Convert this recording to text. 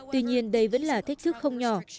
tuy nhiên đây vẫn là thích thức không nhỏ